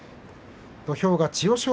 土俵が千代翔